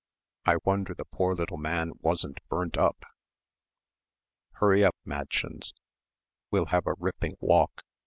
"I wonder the poor little man wasn't burnt up." "Hurry up, mädshuns, we'll have a ripping walk.